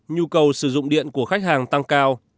nhu cầu sử dụng điện của khách hàng tăng cao